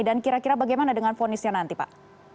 dan kira kira bagaimana dengan fonisnya nanti pak